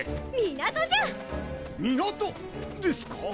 港！？ですか？